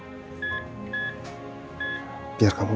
apa itu menurut kamu